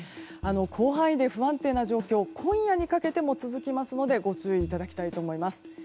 広範囲で不安定な状況が今夜にかけても続きますのでご注意いただきたいと思います。